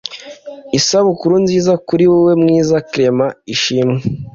Isabukuru nziza kuri wowe Mwiza Clement Ishimwe